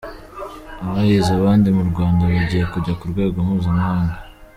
Abahize abandi mu Rwanda bagiye kujya ku rwego mpuzamahanga.